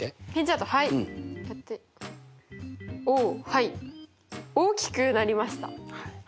はい大きくなりました。